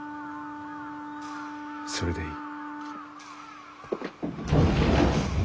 それでいい。